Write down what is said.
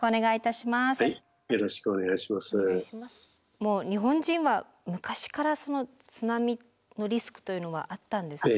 もう日本人は昔から津波のリスクというのはあったんですね。